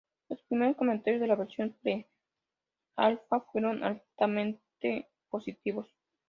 Los primeros comentarios de la versión pre-alfa fueron altamente positivos.